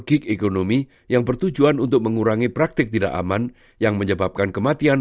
gig ekonomi yang bertujuan untuk mengurangi praktik tidak aman yang menyebabkan kematian